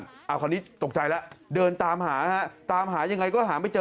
คราวนี้ตกใจแล้วเดินตามหาฮะตามหายังไงก็หาไม่เจอ